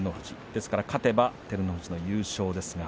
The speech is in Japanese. ですから勝てば照ノ富士の優勝ですが。